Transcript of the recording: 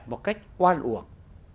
một cách oan uổng